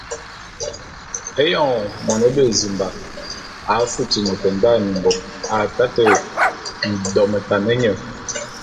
Éyoñ mône bezimba a futi môt nda mimbôk, a taté ndometan nye.